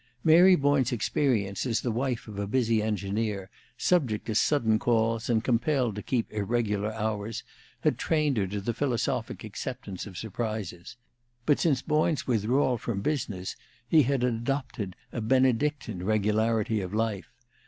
Mary Boyne's experience as the wife of a busy engineer, subject to sudden calls and compelled to keep irregular hours, had trained her to the philosophic acceptance of surprises; but since Boyne's withdrawal from business he had adopted a Benedictine regularity of life.